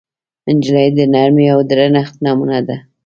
نجلۍ د نرمۍ او درنښت نمونه ده.